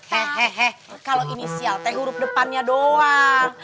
he he he kalo inisial teh huruf depannya doang